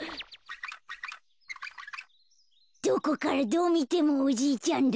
どこからどうみてもおじいちゃんだ。